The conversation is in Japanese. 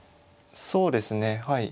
そうですねはい。